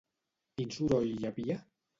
Quin soroll hi havia?